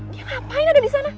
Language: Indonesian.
dia ngapain ada di sana